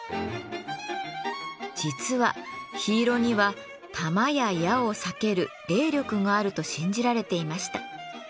実は緋色には弾や矢を避ける霊力があると信じられていました。